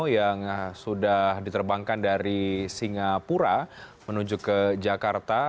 yang sudah diterbangkan dari singapura menuju ke jakarta